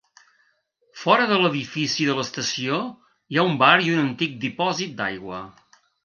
Fora de l'edifici de l'estació hi ha un bar i un antic dipòsit d'aigua.